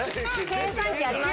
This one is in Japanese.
計算機あります。